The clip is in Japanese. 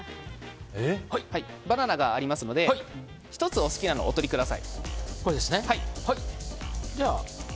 バナナがありますので１つお好きなのをお取りください。